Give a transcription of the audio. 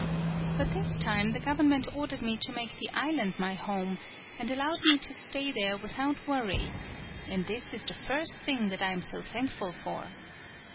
But this time the government ordered me to make the island my home, and allowed me to stay there without worry, and this is the first thing that I am so thankful for.